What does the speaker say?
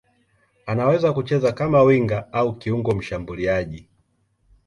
Anaweza kucheza kama winga au kiungo mshambuliaji.